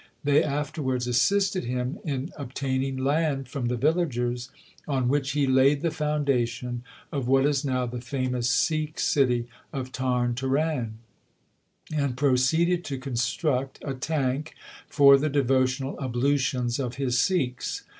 They afterwards assisted him in obtaining land from the villagers on which he laid the foundation of what is now the famous Sikh city of Tarn Taran, and proceeded to construct a tank for the devotional ablutions of his Sikhs.